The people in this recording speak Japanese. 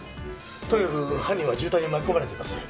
とにかく犯人は渋滞に巻き込まれています。